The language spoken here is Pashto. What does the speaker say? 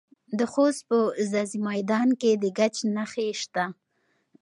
د خوست په ځاځي میدان کې د ګچ نښې شته.